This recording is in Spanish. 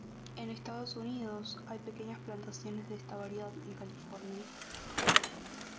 En Estados Unidos, hay pequeñas plantaciones de esta variedad en California.